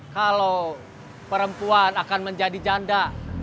kalau perempuan akan menjadi janda